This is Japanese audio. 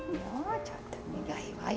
ちょっと苦いわよ。